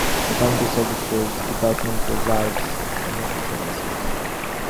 Community Services Department provides community services.